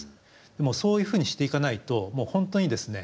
でもそういうふうにしていかないともう本当にですね